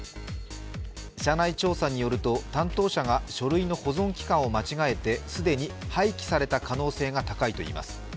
社内調査によると、担当者が書類の保存期間を間違えて既に廃棄された可能性が高いといいます。